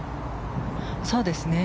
そうですね。